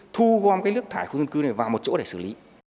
thu gom cái lước thải khu dân cư này vào một chỗ để xử lý